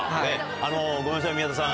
あのごめんなさい宮田さん。